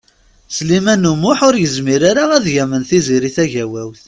Sliman U Muḥ ur yezmir ara ad yamen Tiziri Tagawawt.